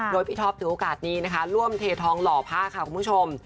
โดยพี่ท็อปถือโอกาสนี้นะคะร่วมเททองหล่อผ้าค่ะคุณผู้ชม